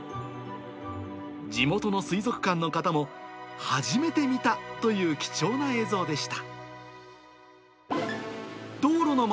地元の水族館の方も、初めて見たという貴重な映像でした。